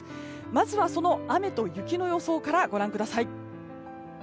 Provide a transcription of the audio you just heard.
まずはその雨と雪の予想からご覧ください。